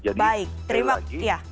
baik terima kasih